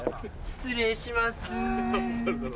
失礼します。